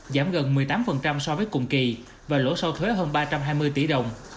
giảm gần một mươi tám so với cùng kỳ và lỗ sau thuế hơn ba trăm hai mươi tỷ đồng